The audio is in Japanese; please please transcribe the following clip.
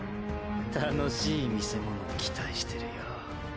楽しい見せ物を期待してるよ。